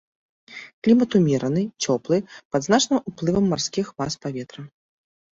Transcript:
Клімат умераны, цёплы, пад значным уплывам марскіх мас паветра.